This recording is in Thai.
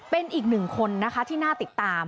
เป็นอีกหนึ่งคนนะคะที่น่าติดตาม